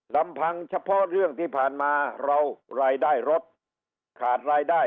ลำพังเฉพาะเรื่องที่ผ่านมาเรารายได้รถขาดรายได้